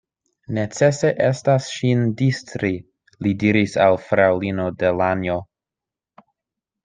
Necese estas ŝin distri, li diris al fraŭlino Delanjo.